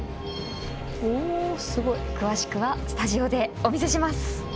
おすごい。詳しくはスタジオでお見せします！